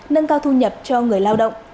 nâng cao thu nhập cho người lao động